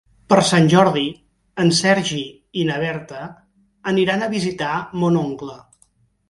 Per Sant Jordi en Sergi i na Berta aniran a visitar mon oncle.